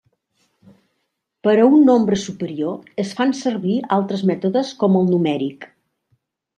Per a un nombre superior es fan servir altres mètodes com el numèric.